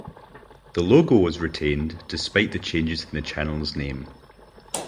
The logo was retained despite the changes in the channel's name.